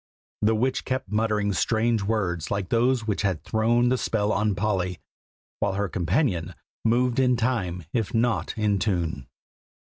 The witch kept muttering strange words like those which had thrown the spell on Polly; while her companion moved in time if not in tune.